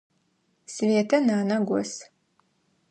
Светэ нанэ гос.